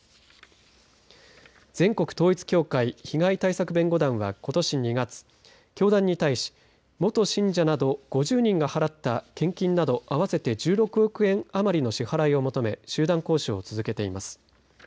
全国統一教会被害対策弁護団はことし２月教団に対し元信者など５０人が払った献金など合わせて１６億円余りの支払いを求め集団交渉を続けています。